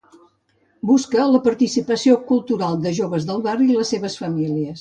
Busca la participació cultural de joves del barri i les seves famílies.